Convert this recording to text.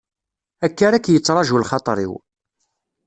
Akka ara k-yettraǧu lxaṭer-iw.